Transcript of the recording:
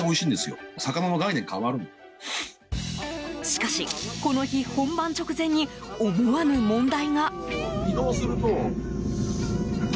しかし、この日本番直前に思わぬ問題が。